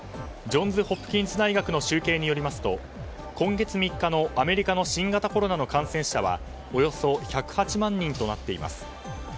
ジョンズ・ホプキンズ大学の集計によりますと今月３日のアメリカの新型コロナの感染者はおよそ１０８万人となっています。